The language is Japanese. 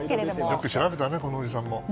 よく調べたね、このおじさんも。